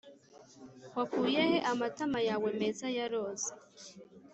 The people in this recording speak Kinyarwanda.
wakuye he amatama yawe meza ya roza?